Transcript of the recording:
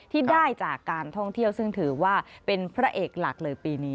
ที่ได้จากการท่องเที่ยวซึ่งถือว่าเป็นพระเอกหลักเลยปีนี้